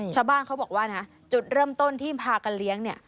ชาวบ้านเขาบอกว่านะจุดเริ่มต้นที่พากันเลี้ยงเนี่ย